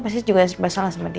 pasti juga serba salah sama dia